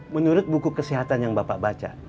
menurut buku kesehatan yang bapak baca